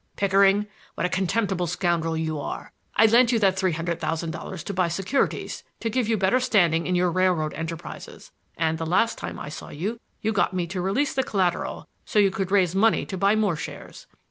"Pickering, what a contemptible scoundrel you are! I lent you that three hundred thousand dollars to buy securities to give you better standing in your railroad enterprises, and the last time I saw you, you got me to release the collateral so you could raise money to buy more shares.